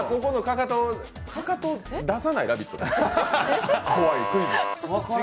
かかと、出さない「ラヴィット！」では。